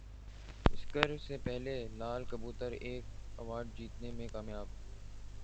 Oscar سے پہلے لال کبوتر ایک اور ایوارڈ جیتنے میں کامیاب